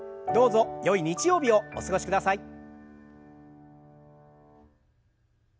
どうぞよい日曜日をお過ごしください。